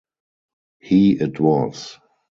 He it was.